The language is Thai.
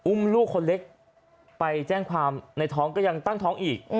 ลูกคนเล็กไปแจ้งความในท้องก็ยังตั้งท้องอีก